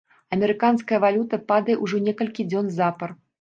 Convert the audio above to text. Амерыканская валюта падае ўжо некалькі дзён запар.